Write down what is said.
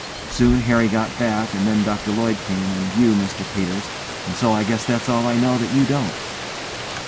Soon Harry got back, and then Dr Lloyd came, and you, Mr Peters, and so I guess that's all I know that you don't.